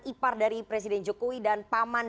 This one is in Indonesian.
ipar dari presiden jokowi dan paman